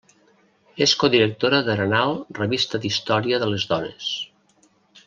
És codirectora d'Arenal, Revista d'Història de les Dones.